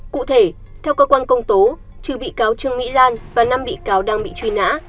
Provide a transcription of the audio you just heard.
cụ thể theo cơ quan công tố trừ bị cáo trương mỹ lan và năm bị cáo đang bị truy nã